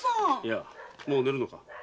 やあもう寝るのか？